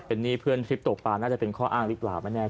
นี่เพื่อนทริปตกปลาน่าจะเป็นข้ออ้างหรือเปล่าไม่แน่